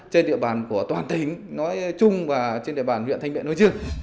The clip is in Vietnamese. trên địa bàn của toàn tỉnh nói chung và trên địa bàn huyện thanh miện nội dương